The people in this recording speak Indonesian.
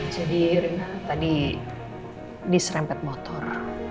jadi rina tadi diserempet motor